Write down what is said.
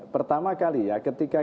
pertama kali ya ketika